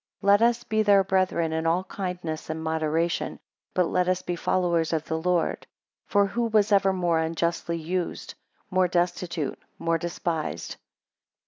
(3 Let us be their brethren in all kindness and moderation, but let us be followers of the Lord; for who was ever more unjustly used? More destitute? More despised?).